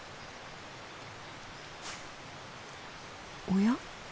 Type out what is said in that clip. おや？